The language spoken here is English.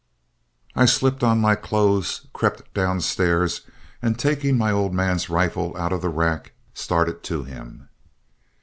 I slipped on my clothes, crept downstairs, and taking my old man's rifle out of the rack, started to him.